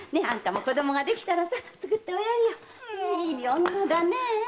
いい女だねぇ。